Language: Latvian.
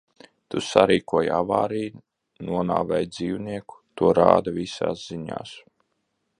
Tu sarīkoji avāriju, nonāvēji dzīvnieku. To rāda visās ziņās.